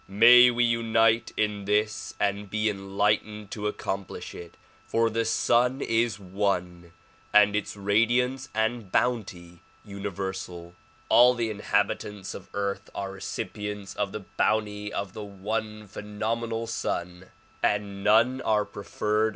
May we unite in this and be enlightened to accomplish it, for the Sun Is one and its radiance and bounty universal. All the inhabitants of earth are recipients of the bounty of the one phenomenal sun and none are preferred 7H THP: rRO.